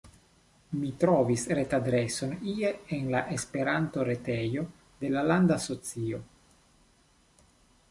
Mi trovis retadreson ie en la Esperanto-retejo de la landa asocio.